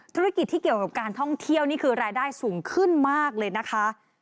ธุรกิจที่เกี่ยวกับการท่องเที่ยวนี่คือรายได้สูงขึ้นมากเลยนะคะ